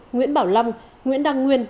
nguyễn bảo lâm nguyễn đăng nguyên